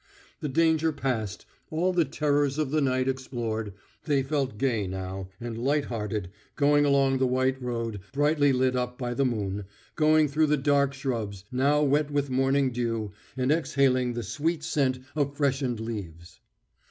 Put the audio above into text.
The danger past, all the terrors of the night explored, they felt gay now, and light hearted, going along the white road brightly lit up by the moon, going through the dark shrubs, now wet with morning dew, and exhaling the sweet scent of freshened leaves.